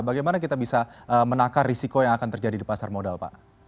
bagaimana kita bisa menakar risiko yang akan terjadi di pasar modal pak